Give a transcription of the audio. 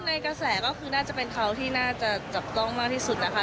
ในกระแสก็คือน่าจะเป็นเขาที่น่าจะจับกล้องมากที่สุดนะคะ